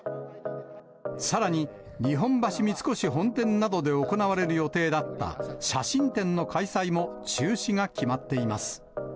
さらに、日本橋三越本店などで行われる予定だった写真展の開催も中止が決まっています。